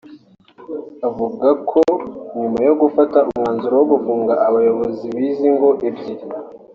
Avuga ko nyuma yo gufata umwanzuro wo gufunga abayobozi b’izi ngo ebyiri